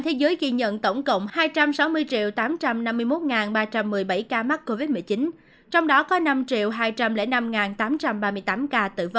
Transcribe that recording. brazil ghi nhận sáu trăm một mươi bốn ca tử vong trong số hai mươi hai sáu mươi bảy sáu trăm ba mươi ca mắc